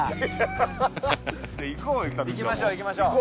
行きましょう行きましょう。